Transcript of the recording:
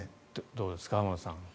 どうですか、浜田さん。